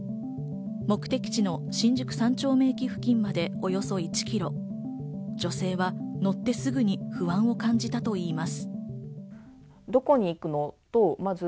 目的地の新宿三丁目付近までおよそ１ｋｍ、女性は乗ってすぐに不安を感じたといいます。